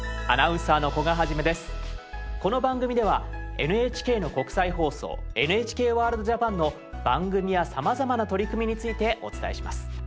この番組ではＮＨＫの国際放送「ＮＨＫＷＯＲＬＤ−ＪＡＰＡＮ」の番組やさまざまな取り組みについてお伝えします。